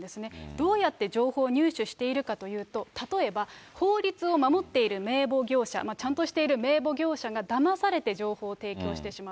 どうやって情報を入手しているかというと、例えば、法律を守っている名簿業者、ちゃんとしている名簿業者がだまされて情報を提供してしまう。